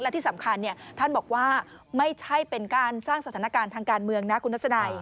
และที่สำคัญท่านบอกว่าไม่ใช่เป็นการสร้างสถานการณ์ทางการเมืองนะคุณทัศนัย